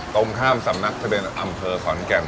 ตรงข้ามสำนักทะเบียนอำเภอขอนแก่น